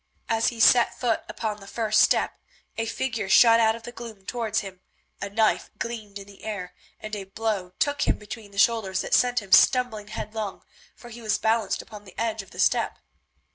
As he set foot upon the first step, a figure shot out of the gloom towards him, a knife gleamed in the air and a blow took him between the shoulders that sent him stumbling headlong, for he was balanced upon the edge of the step.